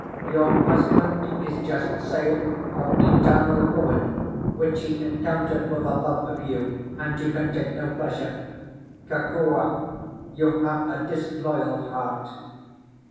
Your husband is just saved from eternal ruin, which he encountered for the love of you—and you can take no pleasure! Kokua, you have a disloyal heart."